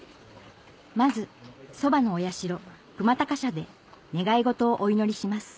まずそばのお社で願い事をお祈りします